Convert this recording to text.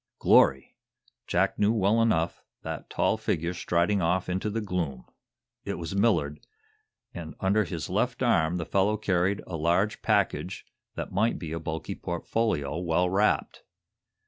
Glory! Jack knew, well enough, that tall figure striding off into the gloom. It was Millard, and under his left arm the fellow carried a large package that might be a bulky portfolio well wrapped.